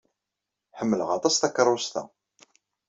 Ḥemmleɣ aṭas takeṛṛust-a.